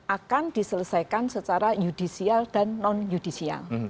akan diselesaikan secara yudisial dan non yudisial